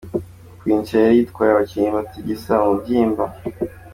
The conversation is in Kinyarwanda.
Queen Cha yari yitwaje ababyinnyi batigisa umubyimba.